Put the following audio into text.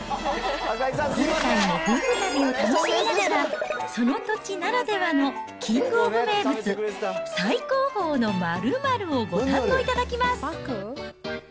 今回も夫婦旅を楽しみながら、その土地ならではのキングオブ名物、最高峰の〇〇をご堪能いただきます。